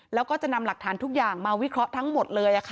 แล้วก็จะนำหลักฐานทุกอย่างมาวิเคราะห์ทั้งหมดเลย